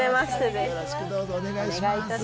よろしくお願いします。